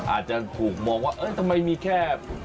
อาจจะถูกมองว่าเออทำไมมีแค่